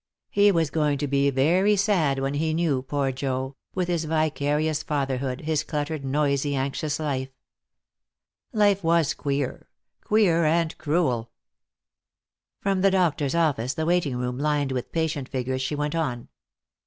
He was going to be very sad when he knew, poor Joe, with his vicarious fatherhood, his cluttered, noisy, anxious life. Life was queer. Queer and cruel. From the doctor's office, the waiting room lined with patient figures, she went on.